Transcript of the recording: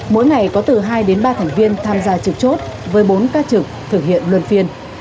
mỗi ngày có từ hai đến ba thành viên tham gia trực chốt với bốn ca trực thực hiện luân phiên